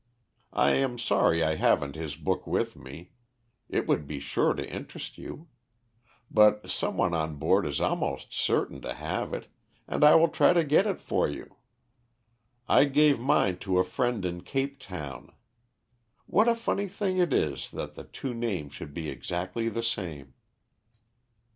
I am sorry I haven't his book with me, it would be sure to interest you; but some one on board is almost certain to have it, and I will try to get it for you. I gave mine to a friend in Cape Town. What a funny thing it is that the two names should be exactly the same."